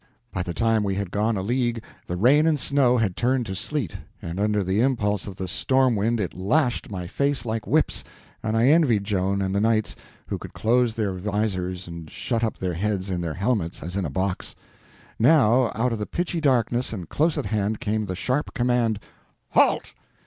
By the time we had gone a league the rain and snow had turned to sleet, and under the impulse of the storm wind it lashed my face like whips, and I envied Joan and the knights, who could close their visors and shut up their heads in their helmets as in a box. Now, out of the pitchy darkness and close at hand, came the sharp command: "Halt!"